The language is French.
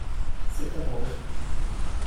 C’est à vendre.